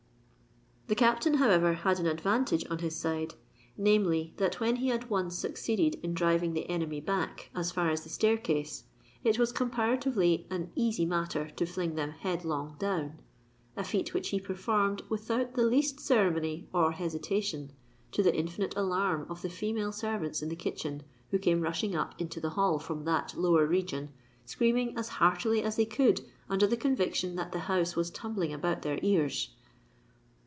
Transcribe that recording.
The Captain, however, had an advantage on his side: namely, that when he had once succeeded in driving the enemy back as far as the staircase, it was comparatively an easy matter to fling them headlong down—a feat which he performed without the least ceremony or hesitation, to the infinite alarm of the female servants in the kitchen, who came rushing up into the hall from that lower region, screaming as heartily as they could under the conviction that the house was tumbling about their ears.